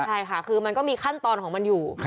ใช่ค่ะคือมันก็มีขั้นตอนของมันอยู่